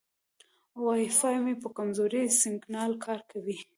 وای فای مې په کمزوري سیګنال کار کوي.